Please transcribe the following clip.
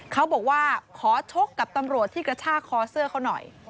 เขาบอกว่าขอชกกับตำรวจที่กระชากคอเสื้อเขาหน่อย